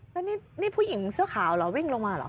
แล้วนี่ผู้หญิงเสื้อขาวเหรอวิ่งลงมาเหรอ